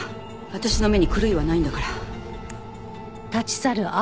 私の目に狂いはないんだから。